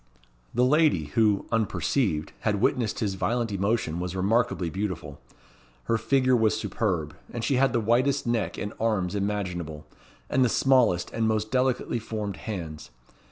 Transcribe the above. The lady who, unperceived, had witnessed his violent emotion was remarkably beautiful. Her figure was superb; and she had the whitest neck and arms imaginable, and the smallest and most delicately formed hands.